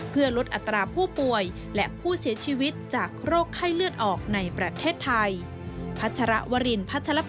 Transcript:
เพื่อลดอัตราผู้ป่วยและผู้เสียชีวิตจากโรคไข้เลือดออกในประเทศไทย